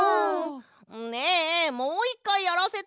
ねえもう１かいやらせて！